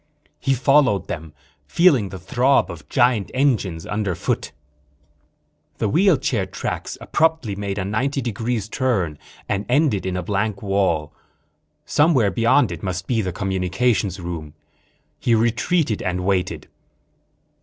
He followed them, feeling the throb of giant engines underfoot. The wheelchair tracks abruptly made a ninety degree turn and ended at a blank wall. Somewhere beyond it must be the communications room. He retreated and waited.